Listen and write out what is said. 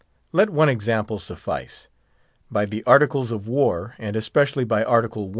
Let one example suffice. By the Articles of War, and especially by Article I.